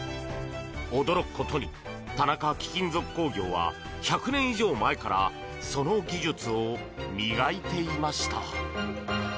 驚くことに田中貴金属工業は１００年以上前からその技術を磨いていました。